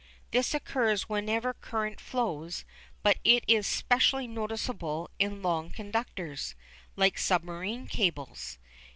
This occurs whenever current flows, but it is specially noticeable in long conductors, like submarine cables.